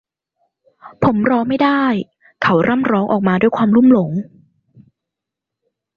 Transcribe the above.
ผมรอไม่ได้ เขาร่ำร้องออกมาด้วยความความลุ่มหลง